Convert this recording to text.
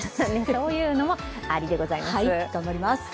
そういうのもアリでございます。